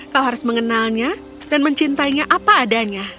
kau harus mengenalnya dan mencintainya apa adanya